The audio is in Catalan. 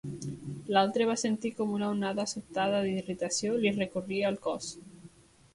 L'altre va sentir com una onada sobtada d'irritació li recorria el cos.